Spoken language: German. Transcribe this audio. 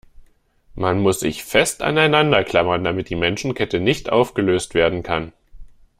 Man muss sich fest aneinander klammern, damit die Menschenkette nicht aufgelöst werden kann.